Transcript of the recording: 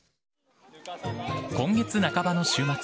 今月半ばの週末。